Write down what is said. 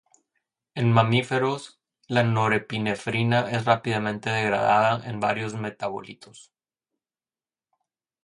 En mamíferos, la norepinefrina es rápidamente degradada en varios metabolitos.